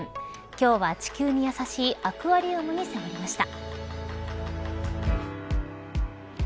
今日は地球に優しいアクアリウムに迫りました。